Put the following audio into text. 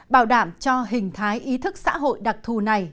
bảo đảm cho hình thái ý thức xã hội đặc thù này